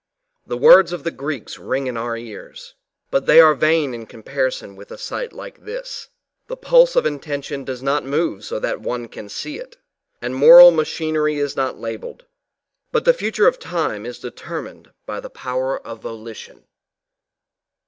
The words of the Greeks ring in our ears, but they are vain in comparison with a sight like this, The pulse of intention does not move so that one can see it, and moral machinery is not labelled, but the future of time is determined by the power of volition.